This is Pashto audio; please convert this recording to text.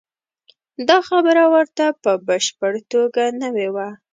دا خبره ورته په بشپړه توګه نوې وه.